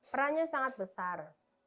perannya sangat besar